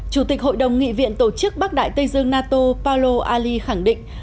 chủ tịch hội đồng nghị viện tổ chức bắc đại tây dương nato paolo ali khẳng định